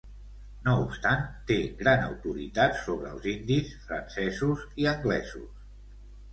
No obstant, té gran autoritat sobre els hindis, francesos i anglesos.